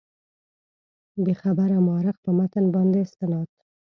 بېخبره مورخ په متن باندې استناد.